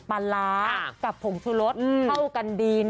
ปลาร้ากับผงชูรสเท่ากันดีมากทุกยอด